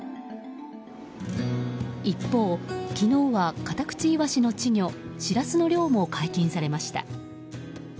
一方、昨日はカタクチイワシの稚魚シラスの漁も解禁されました。